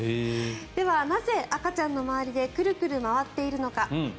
では、なぜ赤ちゃんの周りでクルクル回っているのか。